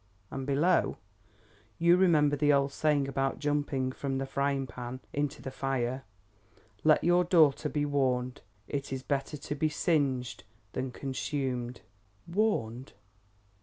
And below: You remember the old saying about jumping from the frying pan into the fire. Let your daughter be warned. It is better to be singed than consumed. Warned!